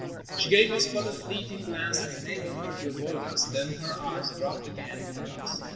She gave us but a fleeting glance to enable her to avoid us, then her eyes dropped again to the dust.